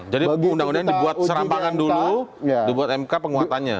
jadi undang undang ini dibuat serampangan dulu dibuat mk penguatannya